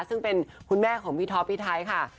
ซึ่งเป็นคุณแม่ของพี่ท็อปพี่ไทยค่ะ